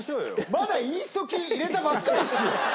まだイースト菌入れたばっかりですよ！